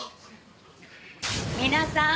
皆さん